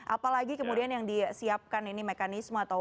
apa lagi kemudian yang disiapkan ini mekanisme atau